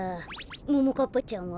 ももかっぱちゃんは？